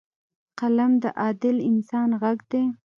قلم د عادل انسان غږ دی